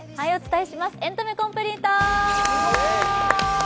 「エンタメコンプリート」。